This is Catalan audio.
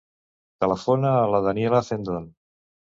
Telefona a la Daniella Cendon.